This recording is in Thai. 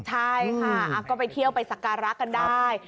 ใช่ค่ะก็ไปเที่ยวไปสักการะกันได้